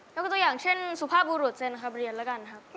โดยตัวอย่างเช่นส่วภาพบูรตเซนขำเรียนแล้วกันครับ